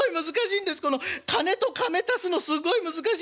カネとかめ足すのすごい難しい。